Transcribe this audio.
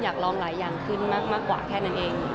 อยากลองหลายอย่างขึ้นมากกว่าแค่นั้นเอง